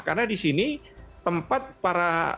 karena di sini tempat para